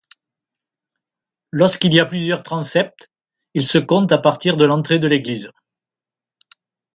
Lorsqu'il y a plusieurs transepts, ils se comptent à partir de l'entrée de l'église.